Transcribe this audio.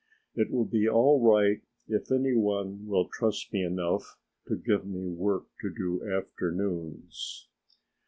It will be all right if any one will trust me enough to give me work to do afternoons."